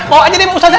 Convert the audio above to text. bawa aja deh ustadz deh